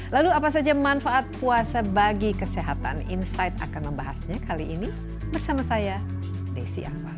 lalu apa saja manfaat puasa bagi kesehatan insight akan membahasnya kali ini bersama saya desi anwar